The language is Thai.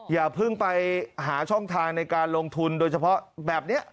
อย่าเพิ่งไปหาช่องทางในการลงทุนโดยเฉพาะแบบนี้